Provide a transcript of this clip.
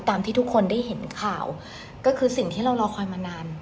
ที่ทุกคนได้เห็นข่าวก็คือสิ่งที่เรารอคอยมานาน